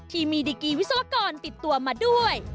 ที่มีดิกรีวิศวกรติดตัวมาด้วย